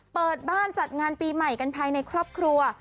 เปิดบ้านจัดงานปีใหม่กันภายในครอบครัว